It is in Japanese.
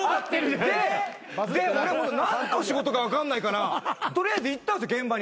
で俺何の仕事か分かんないから取りあえず行ったんすよ現場に。